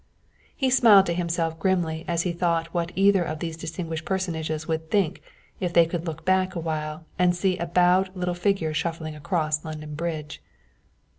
He smiled to himself grimly as he thought what either of these distinguished personages would think if they could look back a while and see a bowed little figure shuffling across London Bridge.